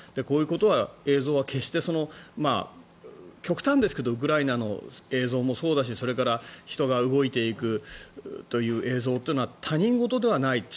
こういうことは映像は決して極端ですけれどもウクライナの映像もそうだしそれから人が動いていくという映像というのは他人事ではない。